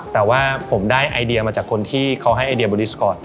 แต่ว่าผมได้ไอเดียมาจากคนที่เขาให้ไอเดียบริสกอร์ต